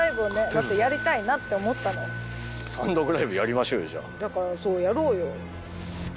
やっぱやりたいなって思ったの単独ライブやりましょうよじゃだからそうやろうよ